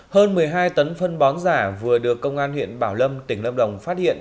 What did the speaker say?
hơn một mươi hai tấn phân bón giả vừa được công an huyện bảo lâm tỉnh lâm đồng phát hiện